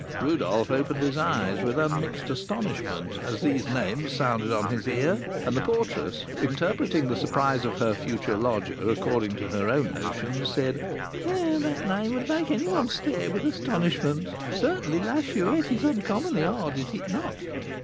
Rodolph opened his eyes with unmixed astonishment as these names sounded on his ear, and the porteress, interpreting the surprise of her future lodger according to her own notions, said: "That name would make any one stare with astonishment. Certainly La Chouette is uncommonly odd; is it not?"